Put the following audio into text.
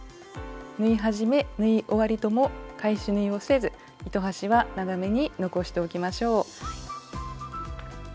縫い始め縫い終わりとも返し縫いをせず糸端は長めに残しておきましょう。